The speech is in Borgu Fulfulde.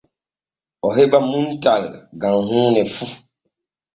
O heɓa muntal gam huune fu.